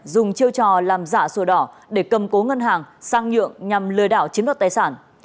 dùng chiêu trò làm giả sổ đỏ để cầm cố ngân hàng sang nhượng nhằm lừa đảo chiếm đoạt tài sản